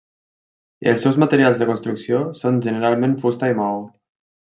Els seus materials de construcció són generalment fusta i maó.